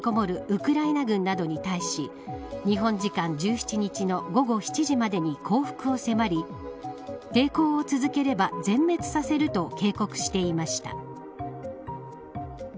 ウクライナ軍などに対し日本時間１７日の午後７時までに降伏を迫り抵抗を続ければ全滅させると警告していました。